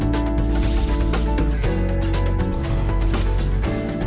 terima kasih telah menyaksikan insight